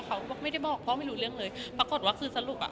เขาบอกไม่ได้บอกพ่อไม่รู้เรื่องเลยปรากฏว่าคือสรุปอ่ะ